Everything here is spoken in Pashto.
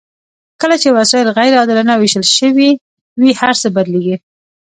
کله چې وسایل غیر عادلانه ویشل شوي وي هرڅه بدلیږي.